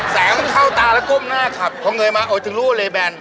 แสงเขาเข้าตาแล้วก้มหน้าขับเค้าเงยมาเอาถึงรูเลแบน